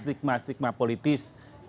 yang mendominasi kekuasaan kekuasaan dan kekuasaan